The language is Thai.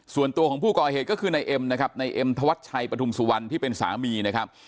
ส่วนตัวของผู้ก่อเหตุก็คือนายเอ็มนะครับในเอ็มธวัชชัยปฐุมสุวรรณที่เป็นสามีนะครับ